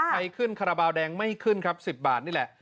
ใครขึ้นขระเบาแดงไม่ขึ้น๑๐บาทนี่แหละ